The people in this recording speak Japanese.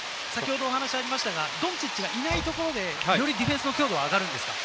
ドンチッチがいないところでよりディフェンスの強度が上がるんですか？